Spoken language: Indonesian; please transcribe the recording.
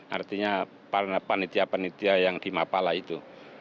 artinya panitia panitia yang di mapala itu